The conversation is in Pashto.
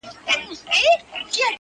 ماشوم وم چي بوډا کیسه په اوښکو لمبوله!!